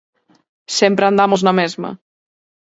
Sempre andamos na mesma.